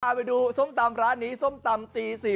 เอาไปดูส้มตำร้านนี้ส้มตำตี๔